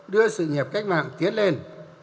đưa sự nghiệp cách mạng tiến lên